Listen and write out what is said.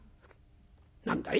「何だい？」。